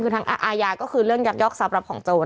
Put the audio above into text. คือทางอาญาก็คือเรื่องยักยอกทรัพย์รับของโจร